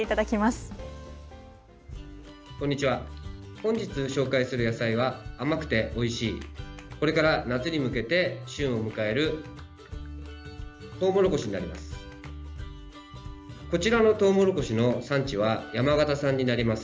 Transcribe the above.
本日紹介する野菜は甘くておいしいこれから夏に向けて旬を迎えるトウモロコシになります。